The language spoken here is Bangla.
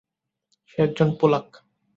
সে একজন পোলাক।